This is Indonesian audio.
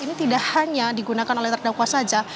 ini tidak hanya digunakan oleh terdakwa saja